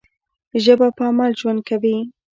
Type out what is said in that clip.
ژبه په عمل ژوند کوي.